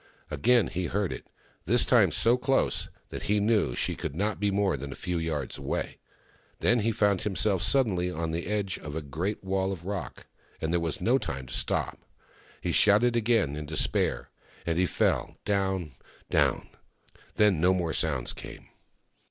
Again he heard it, this time so close that he knew she could not be more than a few yards away. Then he found himself suddenly on the edge of a great wall of rock, and there was no time to stop. He shouted again, in despair, as he fell — down, down. Then no more sounds came.